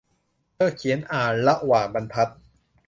เธอเขียนอ่านระหว่างบรรทัด !